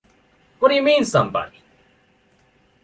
What do you mean, somebody?